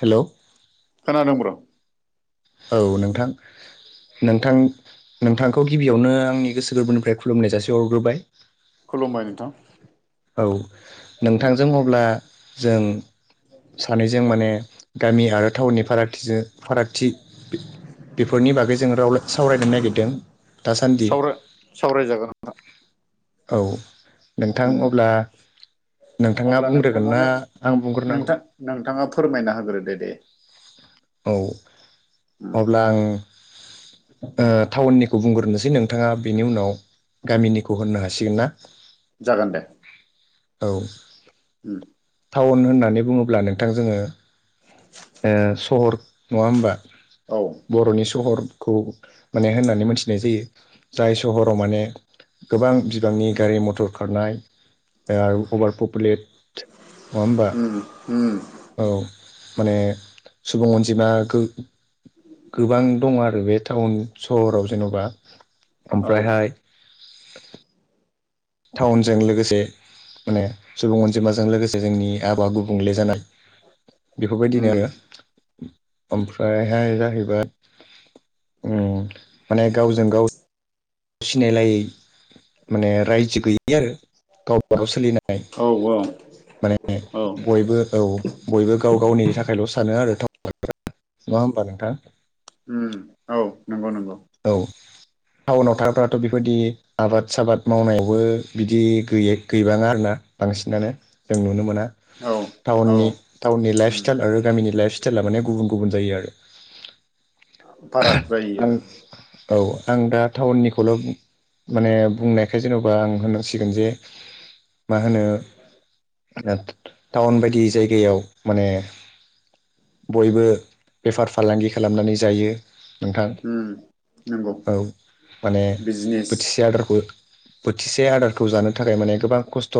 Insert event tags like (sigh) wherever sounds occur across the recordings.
हेल। खोनादोंब र। औ नोंथां नोंथां नोंथांखौ गिबियावनो आंनि गोसो गोरबोनिफ्राय खु लुमनाय जासे हरग्रोबाय। खुलुमबाय नोंथां। औ नोंथांजों अब्ला जों। सानैजों माने गामि आरो टाउननि फारागथिजों फारागथि बेफोरनि बागै जो राव सावरायनो नागिरदों दासान्दि। सावराय सावरायजागोन औ नोंथां उम अब्ला। नोंथाङा अब्ला बुंग्रोगोन ना नोंथाङानो आं बुंग्रोनांगौ? नोंथां नोंथाङा फोरमायना होग्रोदो दे। औ उम अब्ला आं ओ-टाउननिखौ बुंग्रोनोसै नों थाङा बेनि उनाव गामिनिखौ होननो हासिगोन ना। जागोन दे औ उम‌ टाउन होननानै बुङोब्ला नोंथां जोङो ओ सहर नङा होमबा। औ बरनि सहरखौ माने होननानै मोनथिनाय जायो। जाय सहराव माने गोबां बिबांनि गारि मथर खारनाय। ओ अभार पपुलेट नङा ओमबा? उम उम औ माने सुबुं अनजिमा गो गोबां दङ आरो बे टाउन सहराव जेनबा औ ओमफ्रायहाय टाउनजों लोगोसे माने सुबुं अनजिमाजों लोगोसे जोंनि आबाहावा गुबुंले जानाय बेफोरबायदिनो उम आरो ओमफ्रायहाय जाहैबाय ओ माने गावजों गाव सिनायलायै माने रायजो गैयै आरो गावबा गाव सोलिनाय औ माने औ बयबो औ। बयबो गाव गावनिनि थाखायल' सानो आरोना (unintelligible) ओमबा नोंथां? उम औ नंगौ नंगौ। औ टाउनाव थाग्राफोराथ' बेबायदि आबाद साबाद मावनायावबो बिदि गैयै गैबाङा आरोना बांसिनानो जों नुनो मोना औ औ टाउननि टाउननि लाइफ उम स्टाइल आरो गामिनि लाइफ स्टाइला माने गुबुन गुबुन जायो आरो। फाराग जायो आं आरो औ आं दा टाउननिखौल' माने बुंनायखाय जेनबा आं होनांसिगोन जे मा होनो टाउन बायदि जायगायाव माने बयबो बेफार फालांगि खालामनानै जायो नोंथां। उम नंगौ औ माने बिजनेस बोथिसे आदारखौ बोथिसे आदारखौ जानो थाखाय माने गोबां खस्थ'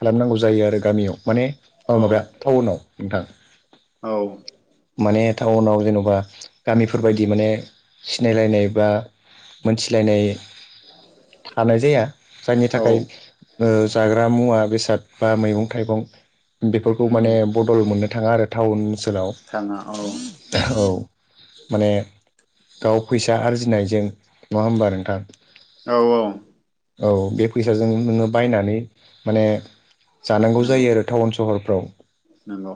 खालामनांगौ जायो आरो गामियाव माने औ माबाया टाउनाव नोंथां औ माने टाउनाव जेनबा गामिफोरबायदि माने सिनायलायनाय बा मोनथिलायनाय हानाय जाया जायनि औ थाखाय ओ जाग्रा मुवा बेसाद बा मैगं थाइगं बेफोरखौ उम माने बदल मोननो थाङा आरो टाउन ओनसोलाव थाङा औ औ माने गाव फैसा आरजिनायजों नङा ओमबा नोंथां? औ औ औ बे फैसाजों नोङो बायनानै माने जानांगौ नंगौ जायो आरो टाउन सहरफ्राव नंगौ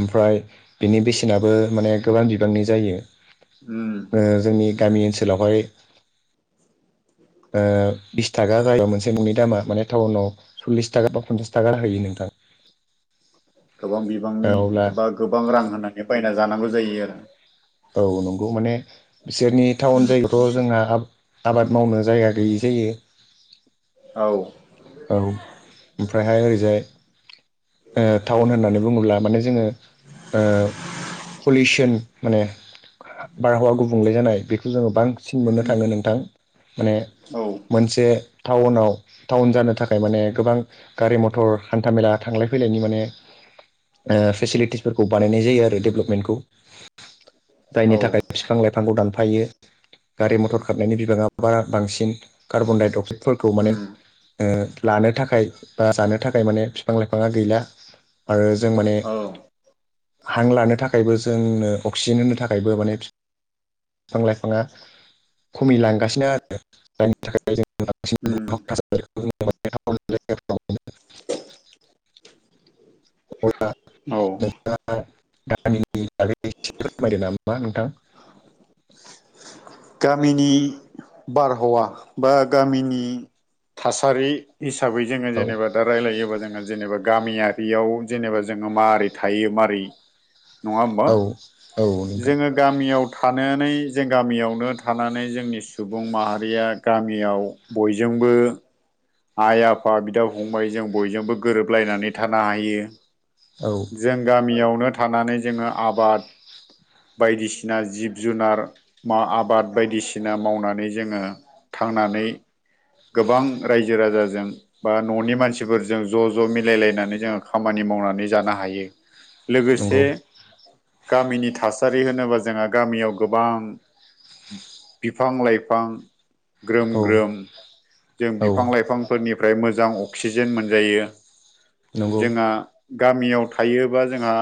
ओमफ्राय बिनि बेसेनाबो माने गोबां बिबांनि जायो। उम ओ जोंनि गामि ओनसोलावहाय (inaudible) ओ बिस थाखा जायोबा मोनसे मुवानि दामा माने टाउनाव सल्लिस थाखा बा पनसास थाखा होयो नोंथां। गोबां बिबांनि अब्ला बा गोबां रां होनानै बायना जानांगौ जायो आ औ नंगौ माने बिसोरनि टाउन जायगायाव थ' जोंहा आबाद मावनो जायगा गैयि जायो। औ औ ओमफ्रायहाय ओरैजाय ओ टाउन होननानै बुङोब्ला माने जोङो पलिउसन माने बारहावा गुबुंले जानाय बेखौ जोङो बां सिन मोननो उम थाङो नोंथां माने औ मोनसे टाउनाव टाउन जानो थाखाय माने गोबां गारि मटर हान्था मेला थांलाय फैलायनि माने ओ फेसिलिटिसफोरखौ बानायनाय जायो आरो डेभेलपमेन्टखौ जायनि औ थाखाय फिफां लाइफांखौ दानफायो गारि मटर खारनायनि बिबाङा बा बांसिन कार्बन डाइ अक्साइड फोरखौ माने उम ओ लानो थाखाय बा जानो थाखाय माने बिफां लाइफाङा गैला आरो जों माने औ हां लानो थाखायबो जोंनो अक्सिजेन होनो थाखायबो माने बिफां लाइफाङा खमिलांगासिनो आरो जायनि थाखाय जों बांसिन उम थासारि (unintelligible) औ औ (unintelligible) (inaudible) गामिनि बारहावा बा गामिनि थासारि हिसाबै जोङो औ जेनेबा दा रायलायोबा जोङो जेनेबा गामियारियाव जेनेबा जोङो मारै थायो मारै नङा होमबा औ औ नोंथां जोङो गामियाव थान थानानै जों गामियावनो थानानै जोंनि सुबुं माहारिया गामियाव बयजोंबो आइ आफा बिदा फंबाय जों बयजोंबो गोरोबलायनानै थानो हायो औ जों गामियावनो थानानै जोङो आबाद बायदिसिना जि जुनार मा आबाद बायदिसिना मावनानै जोङो थांनानै गोबां रायजो राजाजों बा न'नि मानसिफोरजों ज' ज' मिलायलायनानै जोङो खामानि मावनानै जानो हायो। नंगौ लोगोसे गामिनि थासारि होनोबा जोंहा गामियाव गोबां बिफां लाइफां ग्रोम औ ग्रोम जों औ बिफां लाइफांफोरनिफ्राय मोजां अक्सिजेन मोनजायो। नंगौ जोंहा गामियाव थायोबा जोंहा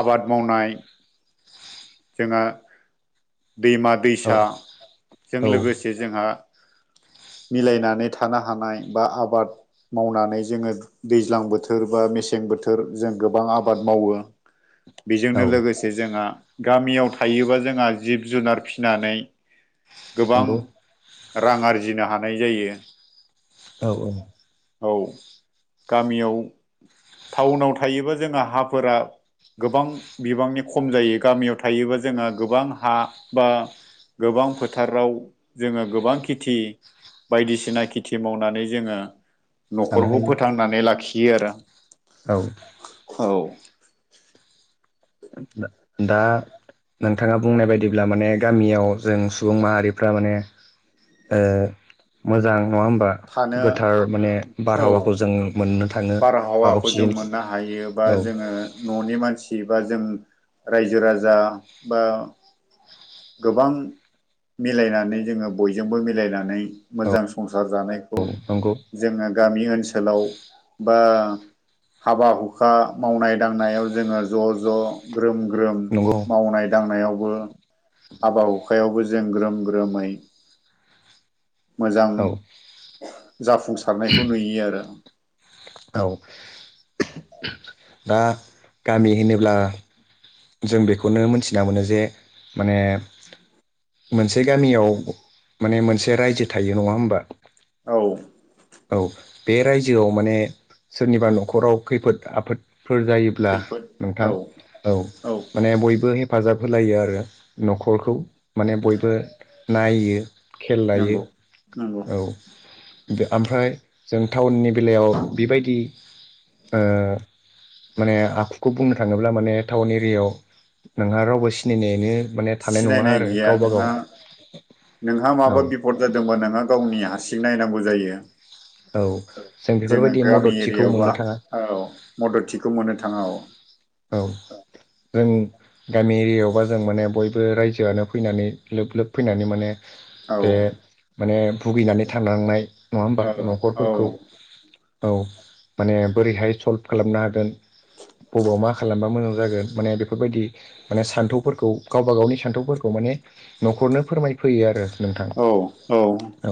आबाद मावनाय जोंहा दैमा औ दैसाजों औ लोगोसे जोंहा मिलायनानै थानो हानाय बा आबाद मावनानै जोङो दैज्लां बोथोर बा मेसें बोथोर जों गोबां आबाद मावो। औ बेजोंनो लोगोसे जोंहा गामियाव थायोबा जोंहा जिब जुनार फिसिनानै गोबां नंगौ रां आरजिनो हानाय जायो। औ औ औ गामियाव टाउनाव थायोबा जोंहा हाफोरा गोबां बिबांनि खम जायो गामियाव थायोबा जोंहा गोबां हा बा गोबां फोथाराव जोङो गोबां खेथि बायदिसिना खेथि मावनानै जोङो सानो न'खरखौ हायो फोथांनानै लाखियो आरो औ औ दा नोंथाङा बुंनाय बायदिब्ला माने गामियाव जों सुबुं माहारिफ्रा माने ओ मोजां नङा होमबा थानो गोथार माने औ बारहावाखौ जों मोननो थाङो बा बारहावाखौ जों अक्सिजेनखौ मोननो हायो बा औ जोङो न'नि मानसि बा जों रायजो राजा बा गोबां मिलायनानै जोङो बयजोंबो मिलायनानै औ मोजां संसार जानाय औ नंगौ जोङो गामि ओनसोलाव बा हाबा हुखा मावनाय दांनायाव जोङो ज' ज' ग्रोम ग्रोम नंगौ मावनाय दांनायावबो हाबा हुखायावबो जों ग्रोम ग्रोमै मोजां औ जाफुंसारनायखौ नुयो आरो औ दा गामि होनोब्ला जों बेखौनो मोनथिना मोनो जे माने मोनसे गामियाव माने मोनसे रायजो थायो नङा होमबा औ औ बे रायजोआव माने सोरनिबा न'खराव खैफोद आफोदफोर जायो ब्ला खैफोद औ नोंथां औ माने बयबो हेफाजाब होलायो आरो न'खरखौ माने बयबो नायो खेल लायो नंगौ नंगौ औ ओमफ्राय जों टाउननि बेलायाव बेबायदि ओ माने आखुखौ बुंनो थाङोब्ला माने टावननि सिरियाव नोंहा रावबो सि सिनायनो माने थानाय नङा सिनायनाय आरो गैया गावबा गाव नोंहा औ सपर्ट जादोंबा नोङो गावनि हारसिं नायनांगौ जायो। औ जों जोङो बेफोरबायदि गामि मददथिखौ एरियायावबा मोननो थाङा। औ मददथिखौ मोननो थाङा औ औ जों गामि एरियायावबा जों माने बयबो रायजोआनो फैनानै लोब लोब फैनानै माने औ बे माने भुगिनानै थांलांनाय नङा होमबा औ न'खरफोरखौ औ माने बोरैहाय सल्भ खालामनो हागोन बबाव मा खालामबा मोजां जागोन माने बेफोरबायदि माने सान्थौफोरखौ गावबा गावनि सान्थौफोरखौ माने न'खरनो फोरमायफैयो आरो नोंथां औ औ औ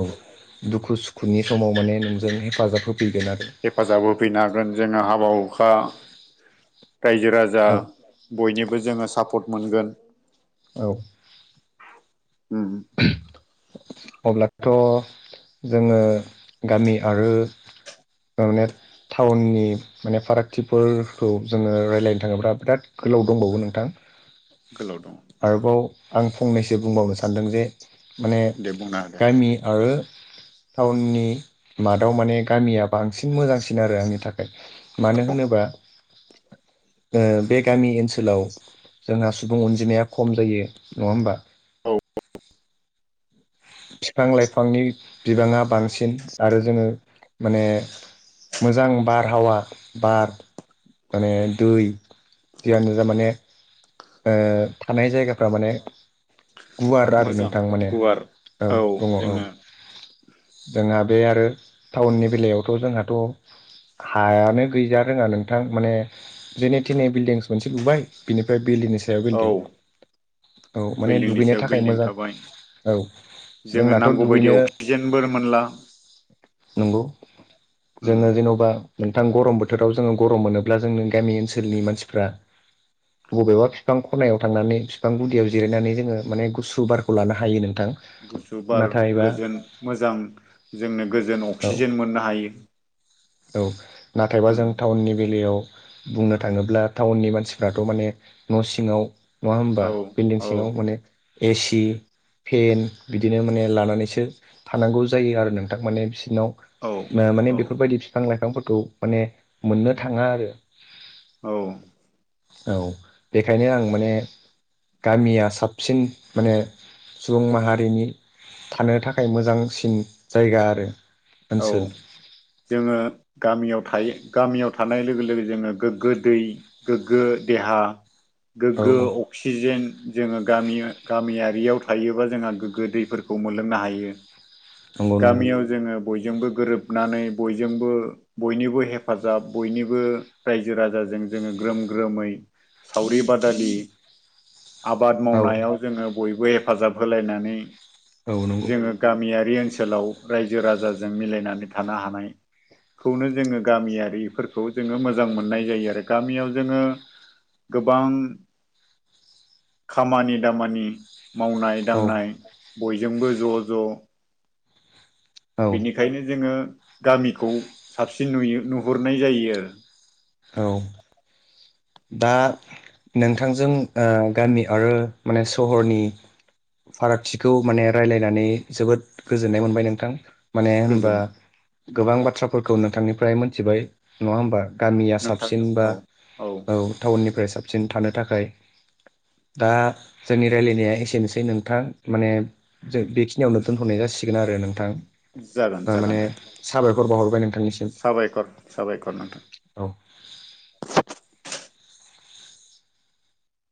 दुखु सुखुनि समाव माने नोंजों हेफाजाब होफैगोन आरो हेफाजाब होफैनो हागोन जोङो हाबा हुखा रायजो राजा बयनिबो जोङो सापर्ट मोनगोन औ उम अब्लाथ' जोङो गामि आरो (unintelligible) टाउननि माने फारागथिफोरखौ जोङो रायज्लायनो थाङोब्ला बिराद गोलाव दंबावो नोंथां गोलाव दं आरोबाव आं फंनैसो बुंबावनो सानदों जे माने दे बुंना गामि आरो टाउननि मादाव माने गामिया बांसिन मोजांसिन आरो आंनि थाखाय मानो होनोबा बे गामि ओनसो सोलाव जोंहा सुबुं अनजिमाया खम जायो नङा होमबा औ बिफां लाइफांनि बिबाङा बांसिन आरो जोङो माने मोजां बारहावा बार माने दै बियावनो थारमाने थानाय जायगाफ्रा माने गुवार आरो मोजां नोंथां माने गुवार औ दङ औ जोंहा बे आरो टाउननि बेलायावथ' जोंहाथ' हायानो गैजा रोङा नोंथां माने जेनै थिनै बिल्डिंस मोनसे लुबाय बिनिफ्राय बिल्डिनिस सायाव औ बिल्डिं औ माने बिल्डिंनि दुगैनो सायाव थाखाय बिल्डिं मोजां थाबाय औ जोङो जोंनाथ' नांगौबायदि दुगैनो अक्सिजेनबो मोनला नंगौ उम जोङो जेन'बा नोंथां गरम बोथोराव जोङो गरम मोनोब्ला जोंनि गामि ओनसोलनि मानसिफ्रा बबेबा फिफां खनायाव थांनानै बिफां गुदियाव जिरायनानै जोङो माने गुसु बारखौ लानो हायो नों थां गुसु बार गोजोन मोजां जोंनो गोजोन औ अक्सिजेन मोननो हायो। औ नाथायबा उम जों टाउननि बेलायाव बुंनो थाङोब्ला टाउननि मानसिफ्राथ' माने न' सिङाव। नङा होमबा औ बिल्डिं औ सिङाव माने एसि। फेन बिदिनो माने लानानैसो थानांगौ जायो आरो नोंथां माने बिसिनाव औ ओ माने औ बेफोरबायदि फिफां लाइफांफोरखौ माने मोननो थाङा आरो। औ। औ बेखायनो आं माने गामिया साबसिन माने सुबुं माहारिनि थानो थाखाय मोजांसिन जायगा आरो। औ। ओनसोल जोङो गामियाव थायो गामियाव थानाय लोगो लोगो जोङो गोग्गो दै गोग्गो देहा औ गोग्गो औ अक्सिजेन जोङो गामि गामियारियाव थायोबा जोंहा गोग्गो दैफोरखौ मोनलोंनो हायो। नंगौ नंगौ गामियाव जोङो बयजोंबो गोरोबनानै बयजोंबो बयनिबो हेफाजाब बयनिबो रायजो राजाजों जोङो ग्रोम ग्रोमै। सावरि -बादालि आबाद औ मावनायाव जोङो बयबो हेफाजाब होलायनानै औ नंगौ जोङो। गामियारि ओनसोलाव राय्जो राजाजों मिलायनानै थानो हानाय। खौनो जोङो गामियारिफोरखौ जोङो मोजां मोननाय जायो आरो। गामियाव जोङो गोबां खामानि दामानि। मावनाय औ दांनाय बयजोंबो ज' ज' बेनिखायनो जोङो गामिखौ साबसिन नुयो नुहुरनाय जायो आरो। औ। दा नोंथांजों ओ गामि आरो माने सहरनि फारागथिखौ माने रायलायनानै जोबोद गोजोननाय मोनबाय नोंथां। माने होनबा गोजोन गोबां बाथ्राफोरखौ नोंथांनिफ्राय मोनथिबाय नङा होमबा? गामिया नोंथां साबसिन बा औ औ। औ टाउननिफ्राय साबसिन थानो थाखाय। दा जोंनि राय्लायनाया एसेनोसै नोंथां। माने जों बेखिनियावनो दोनथ'नाय जासिगोन आरो नोंथां। जागोन ओ जागोन माने दे साबायखर बावाहरबाय नोंथांनिसिम। साबायखर साबायखर नोंथां औ।